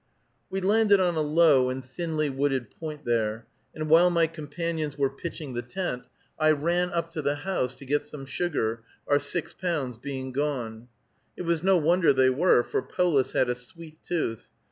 We landed on a low and thinly wooded point there, and while my companions were pitching the tent, I ran up to the house to get some sugar, our six pounds being gone; it was no wonder they were, for Polis had a sweet tooth.